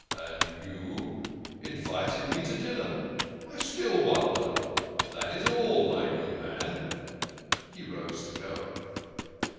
And you invited me to dinner. I still wonder. That is all, my good man." He rose to go.